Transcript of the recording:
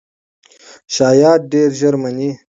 شایعات ډېر ژر مني.